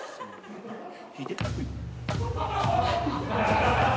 引いて。